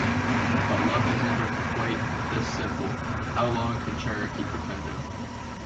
But love has never quite this simple... how long can Chara keep pretending?